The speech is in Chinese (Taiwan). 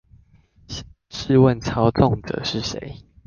試問操縱者是誰？